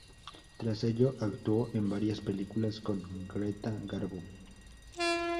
Tras ello, actuó en varias películas con Greta Garbo.